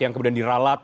yang kemudian diralat